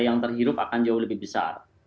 yang terhirup akan jauh lebih besar